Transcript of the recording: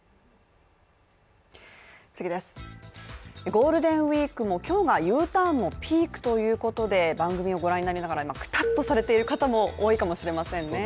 ゴールデンウィークも今日がＵターンのピークということで番組をご覧になりながらくたっとされている方も多いかもしれませんね